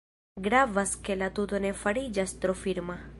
Gravas ke la tuto ne fariĝas tro firma.